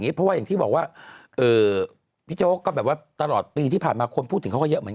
ทันปีที่ผ่านมาดูฉันปีที่ผ่านมาดูที่ไหน